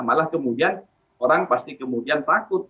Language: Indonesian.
malah kemudian orang pasti kemudian takut